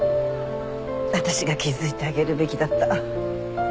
私が気付いてあげるべきだった。